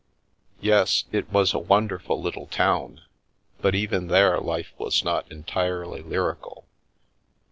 Yes — it was a wonderful little town, but even there life was not entirely lyrical.